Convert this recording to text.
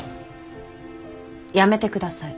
やめてください。